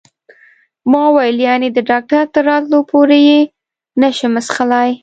ما وویل: یعنې د ډاکټر تر راتلو پورې یې نه شم څښلای؟